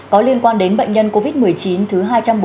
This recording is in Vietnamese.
có liên quan đến bệnh nhân covid một mươi chín thứ hai trăm bốn mươi